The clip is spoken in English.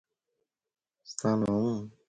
She regularly returned to Vienna.